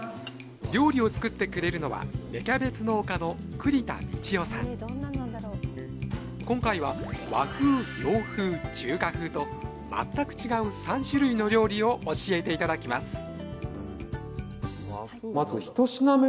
料理を作ってくれるのは今回は和風洋風中華風と全く違う３種類の料理を教えて頂きます